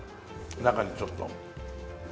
中にちょっとうん。